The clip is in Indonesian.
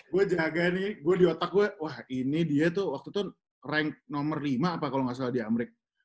gue jaga nih gue di otak gue wah ini dia tuh waktu itu rank nomor lima apa kalau nggak salah di amrik